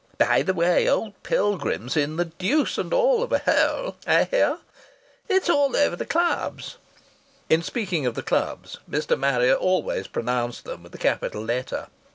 "By the way, old Pilgrim's in the deuce and all of a haole, I heah. It's all over the Clubs." (In speaking of the Clubs Mr. Marrier always pronounced them with a capital letter.)